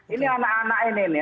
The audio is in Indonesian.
ini anak anak ini nih